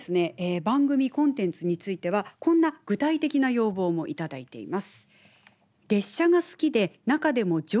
番組コンテンツについてはこんな具体的な要望も頂いています。